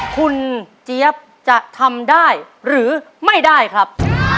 คุณเจี๊ยบจะทำได้หรือไม่ได้ครับ